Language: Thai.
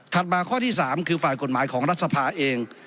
มาข้อที่๓คือฝ่ายกฎหมายของรัฐสภาเอง